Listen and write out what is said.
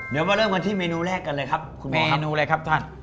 เดี๋ยวมาเริ่มกันที่เมนูแรกกันเลยครับคุณมีเมนูอะไรครับท่าน